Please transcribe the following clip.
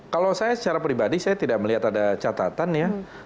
kalau saya secara pribadi saya tidak melihat ada catatan ya